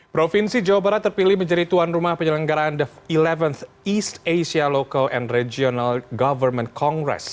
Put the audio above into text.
provinsi jawa barat terpilih menjadi tuan rumah penyelenggaraan the sebelas east asia local and regional government congress